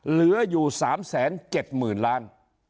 เหลืออยู่๓๗๐๐๐๐ล้าน